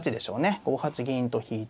５八銀と引いて。